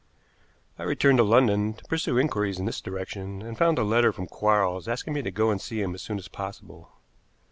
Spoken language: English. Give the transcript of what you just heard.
I returned to London to pursue inquiries in this direction, and found the letter from Quarles asking me to go and see him as soon as possible.